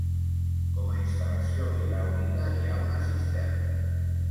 Com a instal·lació hidràulica hi ha una cisterna.